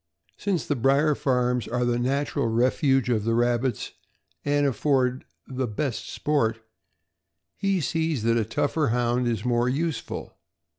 Since the brier farms are the natural refuge of the rabbits, and afford much the best sport, he sees that a tougher Hound is more useful.